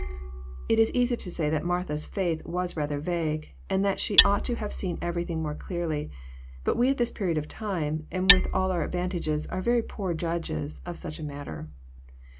It is easy to say that Martha's faith was rather vague, and that she ought to have seen everything more clearly. But we at this period of time, and with all our advantages, are very poor judges of such a matter.